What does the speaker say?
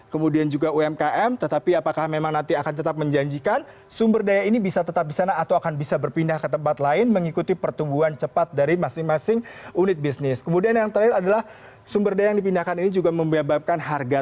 kemudian daftar startup nih